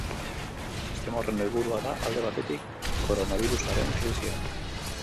Sistema horren helburua da, alde batetik, koronabirusaren krisian.